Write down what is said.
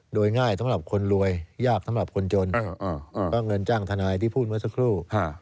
โดยง่ายสำหรับคนรวยยากสำหรับคนจนก็เงินจ้างทนายที่พูดเมื่อสักครู่